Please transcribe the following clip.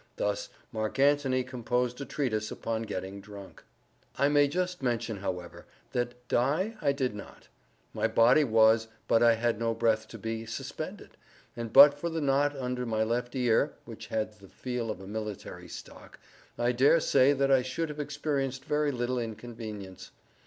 Thus Mark Antony composed a treatise upon getting drunk. I may just mention, however, that die I did not. My body was, but I had no breath to be, suspended; and but for the knot under my left ear (which had the feel of a military stock) I dare say that I should have experienced very little inconvenience.